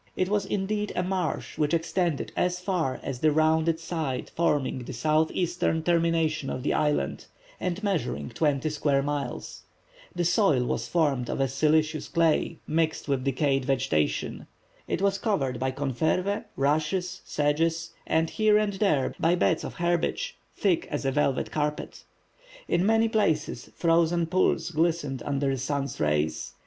It was, indeed, a marsh which extended as far as the rounded side forming the southeastern termination of the island, and measuring twenty square miles. The soil was formed of a silicious clay mixed with decayed vegetation. It was covered by confervæ, rushes, sedges, and here and there by beds of herbage, thick as a velvet carpet. In many places frozen pools glistened under the sun's rays.